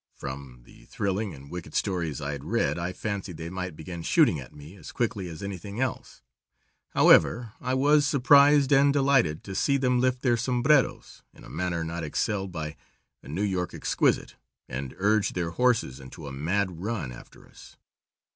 From the thrilling and wicked stories I had read, I fancied they might begin shooting at me as quickly as anything else. However, I was surprised and delighted to see them lift their sombreros, in a manner not excelled by a New York exquisite, and urge their horses into a mad run after us.